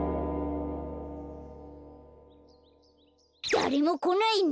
だれもこないね。